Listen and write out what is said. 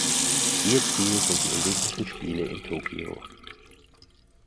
Ihr Ziel sind die Olympischen Spiele in Tokio.